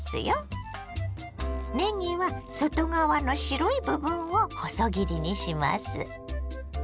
ねぎは外側の白い部分を細切りにします。